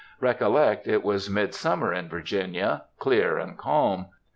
Recollect it was midsummer in Virginia, clear and calm.